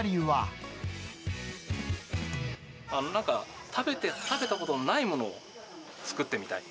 なんか、食べたことのないものを作ってみたい。